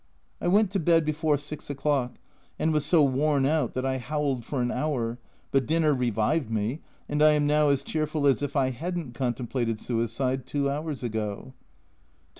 I went to bed before 6 o'clock, and was so worn out that I howled for an hour, but dinner revived me, and I am now as cheerful as if I hadn't contem plated suicide two hours ago.